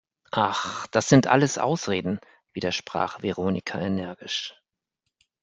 Ach, das sind alles Ausreden, widersprach Veronika energisch.